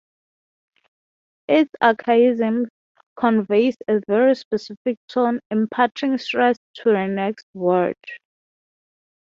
Its archaism conveys a very specific tone, imparting stress on the next word.